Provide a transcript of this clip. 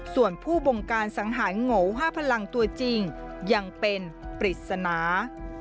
ส่วนผู้บงการสังหารโง๕พลังตัวจริงยังเป็นปริศนา